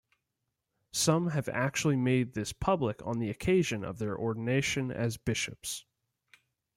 Some have actually made this public on the occasion of their ordination as bishops.